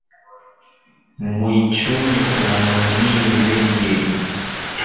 Mwichuni kuna nonii vingi